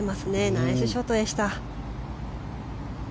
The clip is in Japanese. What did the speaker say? ナイスショットでした。